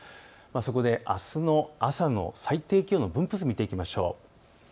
そこで、あすの朝の最低気温の分布図を見ていきましょう。